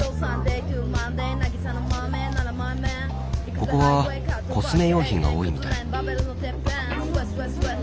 ここはコスメ用品が多いみたい。